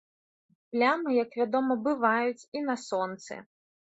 Плямы, як вядома, бываюць і на сонцы.